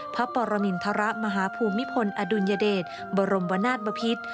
พระปรมินทรมาฮภูมิพลอดุลยเดชบรมวนาศบพิษ